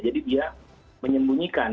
jadi dia menyembunyikan